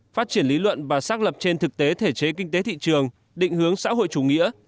phát triển lý luận và xác lập trên thực tế thể chế kinh tế thị trường định hướng xã hội chủ nghĩa